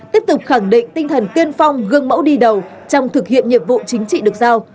tiếp tục khẳng định tinh thần tiên phong gương mẫu đi đầu trong thực hiện nhiệm vụ chính trị được giao